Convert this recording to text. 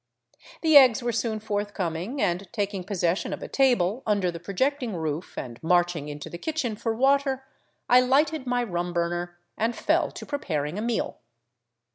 The eggs were soon forthcoming and, taking possession of a table under the projecting roof and marching into the kitchen for water, I lighted my rum burner and fell to pre paring a meal.